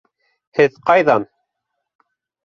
Һеҙ... ҡайҙан?